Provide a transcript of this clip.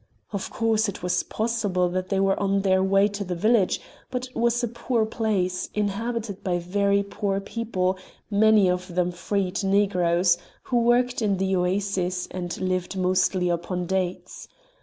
Of course, it was possible that they were on their way to the village, but it was a poor place, inhabited by very poor people, many of them freed Negroes, who worked in the oases and lived mostly upon dates.